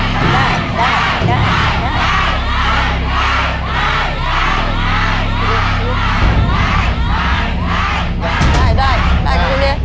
ได้